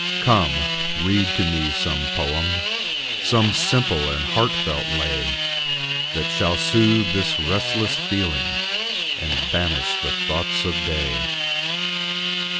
Come, read to me some poem, Some simple and heartfelt lay, That shall soothe this restless feeling, And banish the thoughts of day.